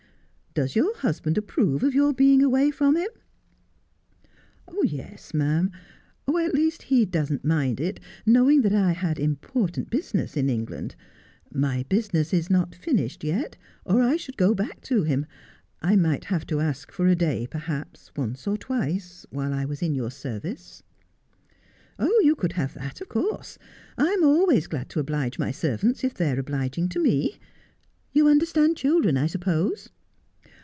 ' Does your husband approve of your being away from him 1 '' Yes, ma'am. At least he doesn't mind it, knowing that I had important business in England. My business is not finished yet, or I should go back to him. I might have to ask for a day, perhaps, once or twice, while I was in your service.' ' Oh, you could have that, of course. I am always glad to oblige my servants, if they are obliging to me. You understand children, 1 suppose